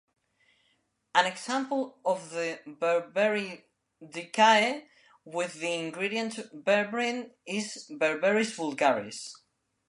An example of the Berberidaceae with the ingredient berberine is Berberis vulgaris.